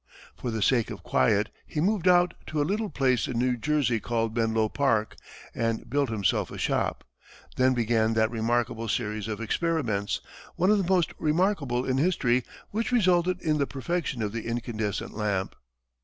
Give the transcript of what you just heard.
For the sake of quiet, he moved out to a little place in New Jersey called Menlo Park, and built himself a shop. Then began that remarkable series of experiments one of the most remarkable in history which resulted in the perfection of the incandescent lamp.